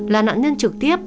là nạn nhân trực tiếp